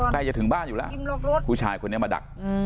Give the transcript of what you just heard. ใกล้จะถึงบ้านอยู่แล้วผู้ชายคนนี้มาดัก